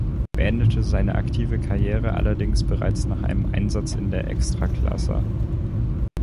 Beendete seine aktive Karriere allerdings bereits nach einem Einsatz in der Ekstraklasa.